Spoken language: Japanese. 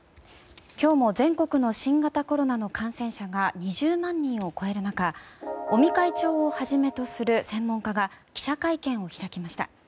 今日も全国の新型コロナの感染者が２０万人を超える中尾身会長をはじめとする専門家が記者会見を開きました。